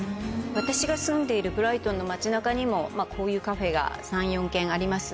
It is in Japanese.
私が住んでいるブライトンの町中にもこういうカフェが３４軒あります。